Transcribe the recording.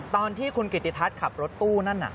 ตอนที่คุณกิติทัศน์ขับรถตู้นั่นน่ะ